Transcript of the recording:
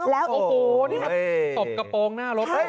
แล้วโอ้โหนี่ครับตบกระโปรงหน้ารถเลย